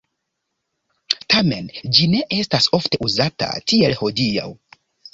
Tamen ĝi ne estas ofte uzata tiel hodiaŭ.